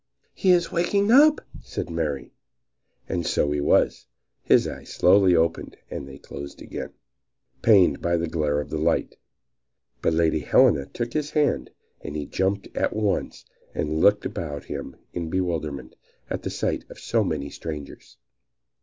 "He is waking up!" said Mary. And so he was. His eyes slowly opened and then closed again, pained by the glare of light. But Lady Helena took his hand, and he jumped up at once and looked about him in bewilderment at the sight of so many strangers.